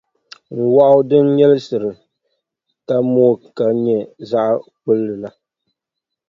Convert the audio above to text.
N wɔɣu din nyɛlisira ka mooi ka nyɛ zaɣʼ kpulli la.